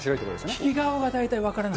利き顔が大体分からない。